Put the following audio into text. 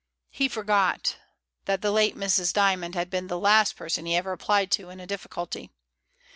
(He forgot that the late Mrs. Dymond had been the last person he 54 MRS. DYMOND. ever applied to in a difficulty.)